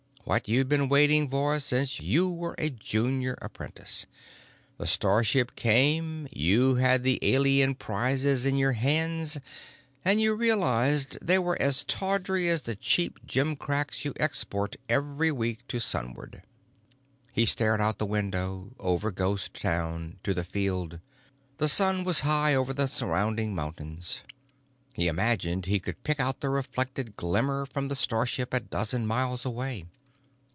What you'd been waiting for since you were a junior apprentice. The starship came, you had the alien prizes in your hands and you realized they were as tawdry as the cheap gimcracks you export every week to Sunward. He stared out the window, over Ghost Town, to the Field. The sun was high over the surrounding mountains; he imagined he could pick out the reflected glimmer from the starship a dozen miles away.